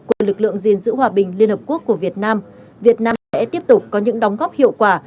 của lực lượng gìn giữ hòa bình liên hợp quốc của việt nam việt nam sẽ tiếp tục có những đóng góp hiệu quả